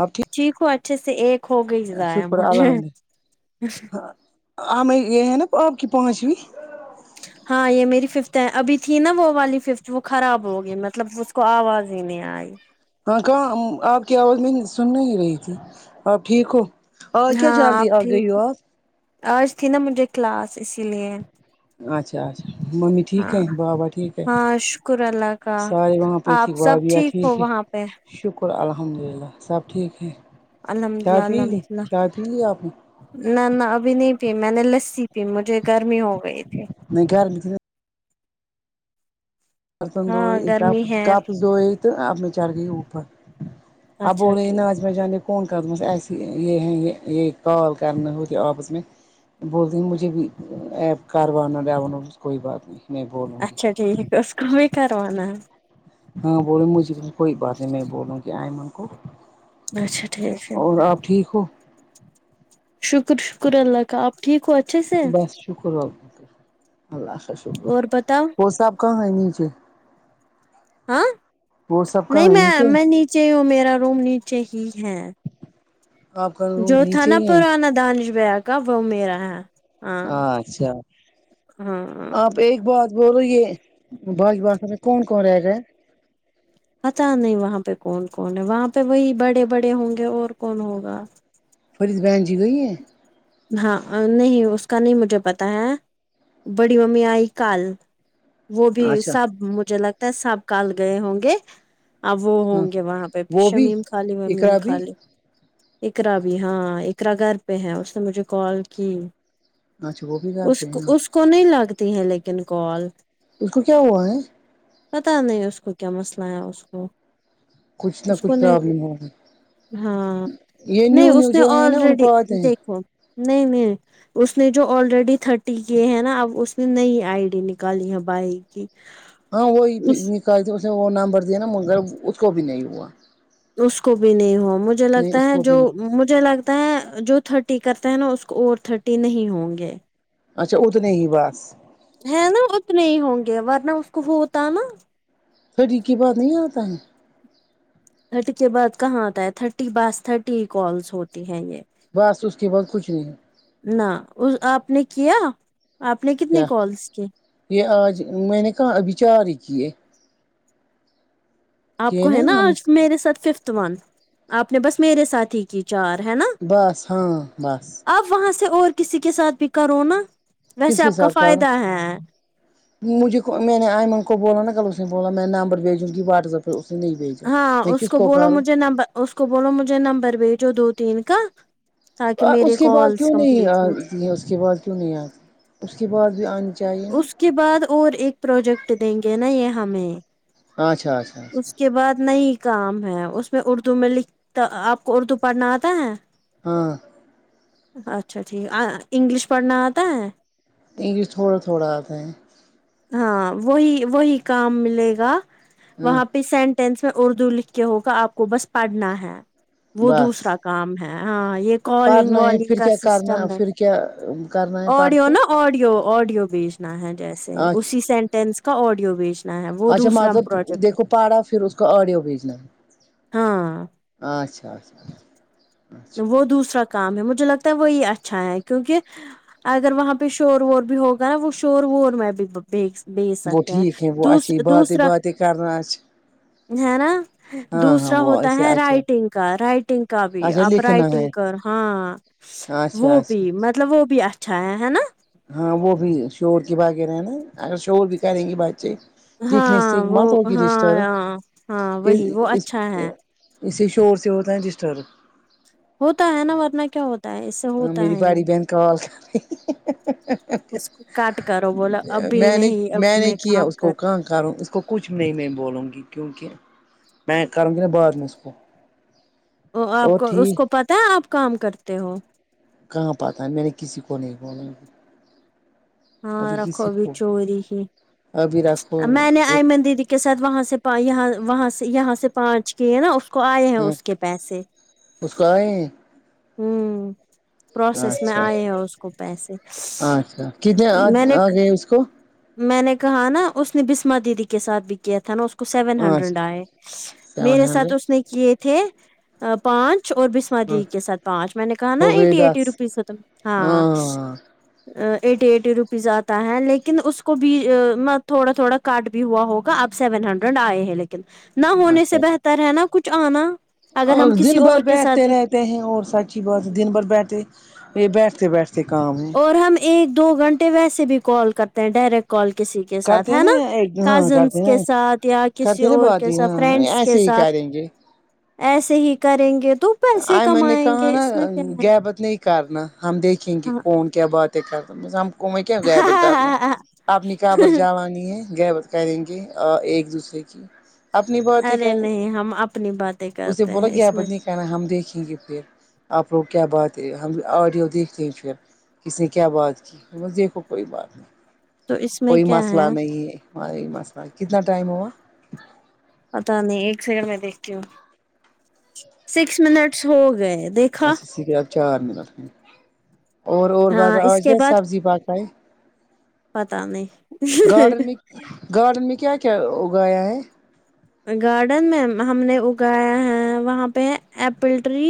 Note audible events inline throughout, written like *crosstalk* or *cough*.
آپ ٹھیک ٹھیک ہوں اچھے سے ایک ہو گئی ضائع شکر مجھے ہم یہ ہے نا آپ کی پانچویں ہاں یہ میری ففت ہے ابھی تھی نا وہ والی ففتھ وہ خراب ہو گئی مطلب اس کو آواز ہی نہیں آئی ہاں کہاں آپ کی آواز میں سن نہیں رہی تھی آپ ٹھیک ہو اور کیا ہاں جلدی آپ آ گئی ٹھیک ہو آپ آج تھی نا مجھے کلاس اسی لیے اچھا اچھا ممی ٹھیک ہاں ہے بابا ٹھیک ہے ہاں شکر اللہ کا سارے وہاں بیٹھیک آپ سب بابھیا ٹھیک ہو ہے وہاں پہ شکر الحمد للہ سب ٹھیک ہے الحمد للہ چائے پی لی الحمد للہ چائے پی لی آپ نے نہ نہ ابھی نہیں پی میں نے لسی پی مجھے گرمی ہو گئی تھی *unintelligible* برتن ہاں دئےپ کپ گرمی ہے کپ دئے تو آپ میں چڑ گئی اوپر اب اچھا رہ ٹھیک ناج م جانے کون کردم ای یہ یہ کال کرنا ہوت یہ آپس میں بول د ہیں مجھے بھی ایپ کاروانا ڈوان کوئی بات نہیں میں بولوں گی اچھا ٹھیک اس کہ بھی کر ونان ہے ہاں بولو مجھے کوئی بات نہیں میں بولوں گی ایمن کو اچھا ٹھیک ہے اور آپ ٹھیک ہو شکر شکر اللہ کا آپ ٹھیک ہوا بس شکر ولہ اللہ کا شکر اور بتاؤ وہ صاحب کہاں ہے نیچے ہاں وہ سب نہیں کہاں ہے میں میں نیچے ہی ہوں میرا روم نیچے ہی ہے آپ کا روم جو تھا نیچے نا ہی ہے پرانا دانش بھیا کا وہ میرا ہے ہاں اچھا ہاں ہاں آپ ایک بات بولو یہ باج باسا میں کون کون رہ گا ہے پتا نہیں وہاں پہ کون کون ہے وہاں پہ وہی بڑے بڑے ہوں گے اور کون ہوگا فرید بہن جی گئی ہے ہاں نہیں اس کا نہیں مجھے پتا ہے بڑی ممی آئی کال وہ بھی اچھا سب مجھے لگتا ہے سب کال گئے ہوں گے اب وہ ہاں ہوں گے وہاں پہ وہ بھی شمیم خالی ومیم اقرا بھی خالی اقرا بھی ہاں اقرا گھر پہ ہیں اس نے مجھے کال کی اچھا وہ بھی گھر اس پہ کو ہے اس کو نہیں لگتی ہیں لیکن کال اس کو کیا ہوا ہے پتا نہیں اس کو کیا مسئلہ ہے اس کو کچھ نہ اس کو کچھ نہیں پرابلم ہوگا ہاں یہ نیو نہیں نیو اس نے جو ہے نا ان آلریڈی کو آتے ہیں دیکھو نہیں نہیں اس نے جو آلریڈی تھرٹی کیے ہیں نا اب اس نے نئی آئی ڈی نکالی ہے بائی کی ہاں وہی اس نکالتی اس نے وہ نام بھر دیا نا مگر اس کو بھی نہیں ہوا اس کو بھی نہیں ہو مجھے نہیں لگتا اس ہے کو جو بھی نہیں مجھے لگتا ہے جو تھرٹی کرتے ہیں نا اس کو اور تھرٹی نہیں ہوں گے اچھا اتنے ہی بس ہے نا اتنے ہی ہوں گے ورنہ اس کو ہوتا نا پری کی بات نہیں آتا ہے تھرٹی کے بعد کہاں آتا ہے تھرٹی بس تھرٹی کالس ہوتی ہے یہ بس اس کے بعد کچھ نہیں ہے نہ آپ نے کیا آپ نے کتنی کیا کالس کی یہ آج میں نے کہا اب چار ہی کیے آپ کیے کو ہے نا ہم آج میرے ساتھ ففتھ ون آپ نے بس میرے ساتھ ہی کی چار ہے نا بس ہاں بس اب وہاں سے اور کسی کے ساتھ بھی کرو نا کس ویسے کے آپ کا ساتھ کرو فائدہ ہے مجھے میں نے آئمن کو بولا نا کل اس نے بولا میں نمبر بھیجوں گی واٹس ایپ اس نے نہیں بھیجا ہاں میں اس کس کو پر بولو کرو مجھے نمبر اس کو بولو مجھے نمبر بھیجو دو تین کا تاکہ میرے اس کے بعد کالس کیوں نہیں کمپلیٹ ہو آتی ہے اس کے بعد کیوں نہیں آتی اس کے بعد بھی آ چائین اس کے بعد اور ایک پروجیکٹ دیں گے نا یہ ہمیں اچھا اچھا اچھا اس کے بعد نہیں کام ہے اس میں اردو میں لکھتا آپ کو اردو پڑھنا آتا ہے ہاں اچھا ٹھیک انگلش پڑھنا آتا ہے انگلش تھوڑا تھوڑا آتے ہیں ہاں وہی وہی کام ملے گا ہاں وہاں پہ سینٹ ٹینس میں اردو لکھ کے ہوگا آپ کو بس پڑھنا ہے وہ بس دوسرا کام ہے ہاں یہ کالنگ پڑھنا ہے والالنگ پھر کا کیا سسٹم کرنا ہے پھر کیا کرنا ہے پڑھ آڈیو کے نا آڈیو آڈیو بھیجنا ہے جیسے اسی اچھا سینٹینس کا آڈیو بھیجنا ہے وہ اچھا دوسرا مطلب پروجیکٹ دیکھو پاڑھا پھر اس کو آڈیو بھیجنا ہاں اچھا اچھا اچھا وہ دوسرا کام ہے مجھے لگتا ہے وہی اچھا ہے کیونکہ اگر وہاں پہ شور وور بھی ہوگ نا وہ شور وور اور میں بیچ وہ سکتے ہیں ٹھیک ہے وہ دوس اچھی باتیں دوسرا باتیں کرنا اچھا ہے نا ہاں ہاں دوسرا وہ ہوتا ایسے ہے اچھا رائٹنگ کا رائٹنگ کا بھی اچھا آپ لکھنا ہے رائٹنگ کر ہاں اچھا اچھ جی مطلب وہ بھی اچھا ہے ہے نا ہاں وہ بھی شور کی بغیر ہے نا اگر شور بھی کریں گے باچے دیکھنے سے ہاں وہ مت ہوگی ہاں رسٹر ہاں ہاں وہی وہ اس اچھا ہے اسے شور سے ہوتا ہے ڈسٹرب ہوتا ہے نا ورنہ کیا ہوتا ہے اس سے ہمم ہوتا میری ہے باڑی یہ بہن کال کری اس کو کاٹ کرو بولا ابھی میں نے نہیں میں ابھی نے کیا کام اس کو کر کہاں کروں اس کو کچھ نہیں میں بولوں گی کیونکہ میں کروں گا بعد میں اس کو وہ آپ اور کو اس ٹھیک کو پتا ہے آپ کام کرتے ہو کہاں پتا ہے میں نے کسی کو نہیں بولا ہاں ابھی کسی رکھوبھی کو چوری ہی ابھی رکھو میں نے ایمن دیدی کے ساتھ وہاں سے پ یہاں وہاں سے یہاں سے پانچ کیے نا اس کو آئے ہیں اس کے پیسے اس کو اے ہے ہوں پروسیس میں اچھا آئے ہیں اس کو پیسے اچھا کتنے میں نے آ گئے اس کو میں نے کہا نا اس نے بسما دیدی کے ساتھ بھی کیا تھا نا اس کو سیون اچھا ہنڈریڈ آئے سیون میرے ساتھ ہنڈریڈ اس نے کیے تھے پانچ اور بس بسمہ ہاں دیدی کے ساتھ پانچ میں نے کہا نا ہو گئے ایٹی ایٹی دس روپیز ہوتا ہاں ایٹی ایٹی روپیز آتا ہے لیکن اس کو بھی ا مت تھوڑا تھوڑا کاٹ بھی ہوا ہوگا اب سیون ہنڈریڈ آئے ہیں لیکن نہ ہونے سے اچھا بہتر ہے نا کچھ آنا اگر اور ہم دن کسی بھر اور کے بیٹھتے ساتھ رہ تے ہیں اور سچ ہی بات دن بھر بیٹھے بیٹھتے بیٹھتے کام ہے ہم ایک دو گھنٹے ویسے بھی کال کرتے ہیں ڈائریکٹ کال کسی کے ساتھ کرتے ہے نا ایک ہاں کزنس کرتے کے نا ساتھ یا کسی اور کے ساتھ فرینڈس کے ساتھ یہ ایسے ہی کریں گے تو پیسے آئمن نے کمائیں کہا گے نا اس میں کیا گیبت نہیں کرنا ہم دیکھیں گے ہے کون کیا باتیں کرنا ہم کو میں کیا غیبت کرنا ہاں اپنی قبر جوانی ہے گیبت کریں گے ایک دوسرے کی اپنی باتیں ارے کر نہیں ہم اپنی باتیں اسے کرتے بولا ہیں اس میں غیبت نی کہ نا ہم دیکھیں گے پھر آپ لوگ کیا بات ہے ہم آڈیو دیکھتے ہیں پھر کس نے کیا بات کی دیکھو کوئی بات نہیں تو اس میں کوئی کیا مسئلہ ہے نہیں ہے وہی مسئلہ کتنا ٹائم ہوا پتا نہیں ایک سیکنڈ میں دیکھتی ہوں سکس منٹس ہو گئے دیکھ اچھا صرف چار منٹ اور بس ہاں اس آج کے کیا بعد سبزی پکائ پتا نہیں گارڈن میں گارڈن میں کیا کیا اگایا ہے گارڈن میں ہم نے اگایا ہے وہاں پہ ایپل ٹری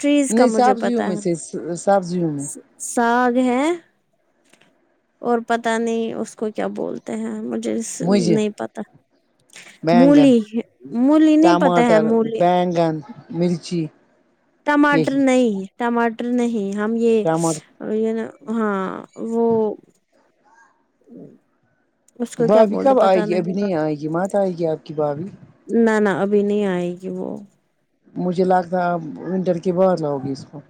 ٹریز کا نہیں مجھے سبزیوں پتا میں سے ہے سبزیوں میں ساگ ہے اور پتا نہیں اس کو کیا بولتے تے ہیں مجھے اس مجھے نہیں پتا بینگن مولی مولی نہیں پتا ہے ٹماٹر مولی بینگن مرچی ٹماٹر یہی نہیں ٹماٹر نہیں ہم یہ ٹماٹر یہ نا ہاں وہ اس کو کیا بھابھی بولتے کب آئے پتا گی ابھی نہیں آئے گی مات آئے گی آپ کی بھابھی نہ نہ ابھی نہیں آئے گی وہ مجھے لگتا ہے اپ انٹر کے بعد لاؤ گی اس کو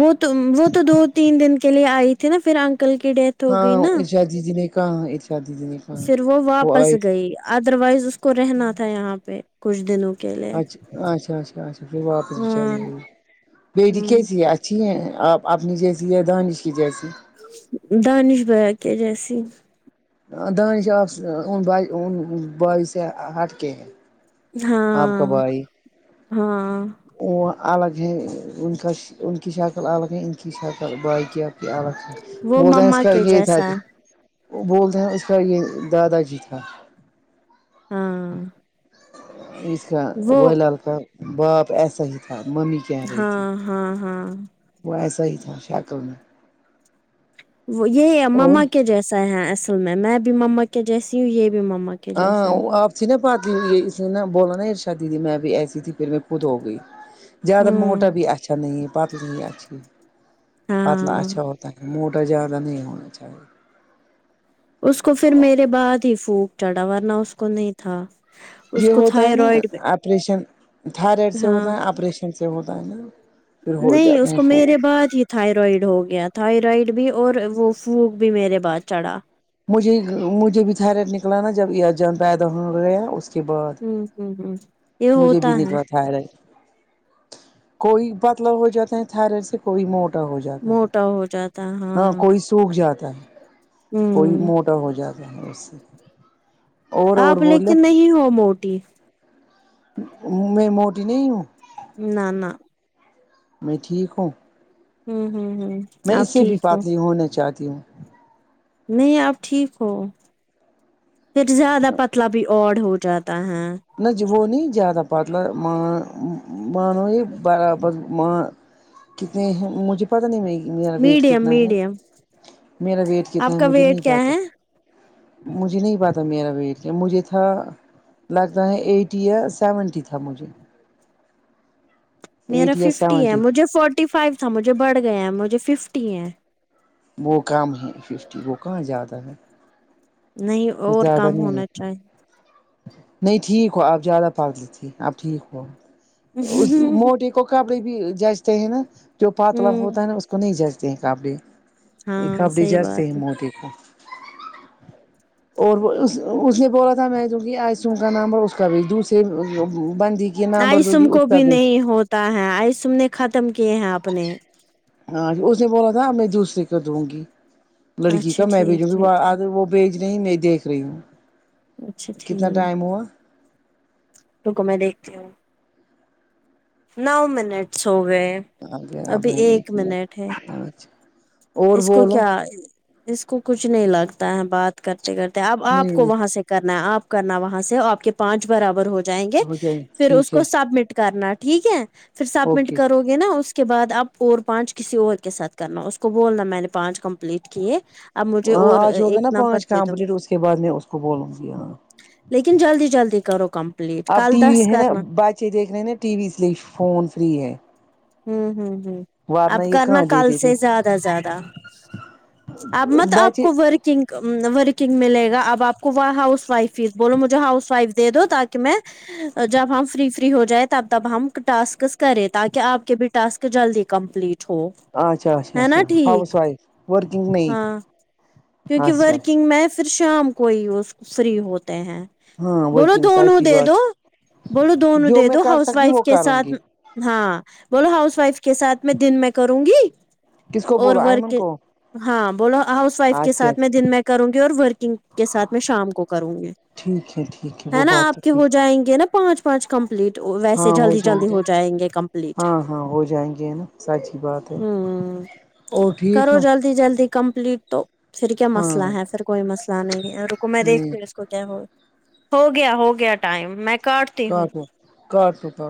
وہ تو وہ تو دو تین دن کے لیے آئی تھی نہ پھر انکل کی ڈیتھ ہو ہاں گئی نا ارشاد دیدی نے کہاں ارشاد دیدی نے کہا پھر وہ واپس آئے تھے گئی ادر وائز اس کو رہنا تھا یہاں پہ کچھ دنوں کے لیے اچھا اچھا اچھا اچھا کوئی بات نہیں چل ہاں گی بیٹی ہوں کیسی ہے اچھی ہے آپ اپنی جیسی ہے دانش کی جیسی دانش بھائی کے جیسی دانش آپ سے بھائی سے ہٹکے ہے آپ کا ہاں بھائی ہاں وہ الگ ہیں انکی کی شکل الگ ان کی شک بھائی کی آپکے الگ وہ بولتے ہیں اس مما کا کے یہی تھا جیسا ہے وہ بولتے ہیں اس کا یہی دادا جی تھا ہاں اس کا وہ لڑکا باپ ایسا ہی تھا ممی کہہ رہی تھی ہاں ہاں ہاں وہ ایسا ہی تھا شکل میں وہ یہ ہے اور ممما کے جیسا ہے اصل میں میں بھی ممما کے جیسی ہوں یہ بھی ممما ہاں آپ س نا پات اسے نہ بولا نہ شادی میں بھی ایسی تھی پھر میں خود ہو گئی زیادہ ہوں موٹا بھی اچھا نہیں پتلی ہی اچھی ہے پتلے ہاں اچھا ہوتا تو زیادہ نہیں ہونا چاہیے اس کو پھر میرے بعد ہی فلو چڑھا ورنا اس کو نہیں تھا اس یہ کو ہوتا ہے نہ تھائرائڈ آپریشن تھائرائڈ سے ہاں ہوتا ہے آپریشن سے ہوتا ہے نہ نہیں اس کو میرے بعد ہی تھائرائڈ ہو گیا تھائرائڈ بھی اور وہ فلو بھی میرے بعد چڑھا مجھے مجھے بھی تھائریائڈ نکلا نہ جب یہ ازاں پیدا ہو اس کے بعد ھممم ھمم ھمم مجھے بھی نکلا تھائرائڈ کوئی پتلا ہو جاتا ہے تھائرائڈ سے کوئی موٹا ہو جاتا موٹا ہو جاتا ہاں اور کوی سوکھ جاتا ہے کوئی ہوں موٹا ہو جاتا ہے اس سے اور اور آپ بولے لیکن نہیں ہو موٹی میں موٹی نہیں ہوں نہ نہ میں ٹھیک ہوں ہوں ہوں ہوں میں آپ اسے بھی ٹھیک ہو پاتلی ہونا چاہتی ہوں نہیں آپ ٹھیک ہو پھر زیادہ پتلا بھی اڈ ہو جاتا ہے نہ جی وہ نہیں زیادہ پتلا مان یہ برابر م کتنے مجھے پتا نہیں میری میرا ویٹ میڈیم کتنا ہے میڈیم میرا ویٹ آپ کتنا ہے کا مجھے نہیں ویٹ کیا پاتا ہے مجھے نہیں پاتا میرا ویٹ کیا مجھے تھا لگتا ہے ایٹی یا سیونٹی تھا مجھے میرا ایٹی یا ففٹی ہے سیونٹی مجھے فورٹی فائیو تھا مجھے بڑھ گیا ہے مجھے ففٹی ہے وہ کم ہے ففٹی وہ کہاں زیادہ ہے نہیں اور زیادہ کم نہیں ہے ہونا چاہیے نہیں ٹھیک ہو آپ زیادہ پتلی ھی آپ ٹھیک ہو اس موٹے کو کپڑے بھی جچتے ہیں نا جو پاتلا ہوں ہوتا ہے نا اس کو نہیں جج کپڑے آپ ایک ہاں آپ ڈی صحیح جاتے ہیں بات ہے مودی کو اور اس اس نے بولا تھا میں دوں گی آسم کا نام پر اس کا بھی دوسرے بندی کے نمبر دوں گی آئیسم کو اس کا بھی نہیں ہوتا ہے آئیسم نے ختم کیے ہیں اپنے ہاں اس نے بولا تھا میں دوسرے کو دوں گی لڑکی اچھا کا میں بھی ٹھیک جو ٹھیک اگر وہ بھیج رہی میں دیکھ رہی ہوں اچھا کتنا ٹھیک ٹائم ہوا روکو میں دیکھتی ہوں نو منٹس ہو گئے آگیا آپ کا ایک منٹ اچھا اور اس کو بولو کیا اس کو کچھ نہیں لگتا ہے بات کرتے کرتے اب نہیں آپ کو وہاں نہیں سے کرنا ہے آپ کرنا وہاں سے آپ کے پانچ برابر ہو جائیں گے ہو جائے پھر اس ٹھیک ہے کو سبمٹ کرنا ٹھیک ہے پھر سبمنٹ اوکے کرو گے نا اس کے بعد آپ اور پانچ کسی اور کے ساتھ کرنا اس کو بولنا میں نے پانچ کمپلیٹ کیے اب مجھے ہاں اور آج ہوگا نا ایک نمبر پانچ دے دو کمپلیٹ اس کے بعد میں اس کو بولوں گی ہاں لیکن جلدی جلدی کرو کمپلیٹ اب کل ٹی وی دس ہے نا کرنا بچے دیکھ رہے ن ٹی وی اس لیے فون فری ہے ہوں ہوں ہوں ورنہ اب یہ کرنا کہاں کل دیتے تھے سے زیادہ زیادہ اب مت آپ بچے کو ورک نگ ورکنگ ملےگا اب آپ کو ہاؤس وائف ف بولو مجھے ہاؤس وائف دے دو تاکہ میں جب ہم فری فری ہو جائے تب تب ہم ٹاسکس کریں تاکہ آپ کے بھی ٹاسک جلدی کمپلیٹ چھو اچھا اچھا ہے نا اچھا ہاؤس ٹھیک وائف ورکنگ نہیں ہاں کیونکہ اچھا ورکنگ اچھا میں پھر شام کو ہی اس فری ہوتے ہیں ہاں بولو ورکنگ سچ دونوں کی دے بات دو بولو دونوں جو دے میں دو کر ہاؤس سکتی وائف وہ کے کروں ساتھ گی ہاں بولو ہاؤس وائف کے ساتھ میں دن میں کروں گی کس کو اور بولو ایئمن ورک کو ہاں بولو ہاؤس وائف کے اچھا ساتھ میں اچھا دن میں کروں گی اور ورکنگ کے ساتھ میں شام کو کروں گی ٹھیک ہے ٹھیک وہ ہے نا بات آپ تو کے ٹھیک ہو جائیں گے نا پانچ پانچ کمپلیٹ ویسے ہاں جلدی جائیں جلدی گے ہو جائیں گے کمپلیٹ ہاں ہاں ہو جائیں گے نا سچی بات ہے ہوں اور ٹھیک کرو ہو جلدی جلدی کمپلیٹ تو پھر کیا ہاں مسئلہ ہے پھر کوئی مسئلہ نہیں ہے رکو میں دیکھ نہیں کے اس کو کیا ہو ہو گیا ہو گیا ٹائم میں کاٹتی ہوں کاٹو کاٹو کاٹو